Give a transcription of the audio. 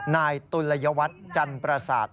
นายตุลยวัฒน์จันปราศาสตร์